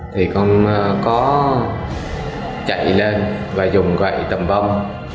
thì con có chạy lên và dùng gậy tầm vong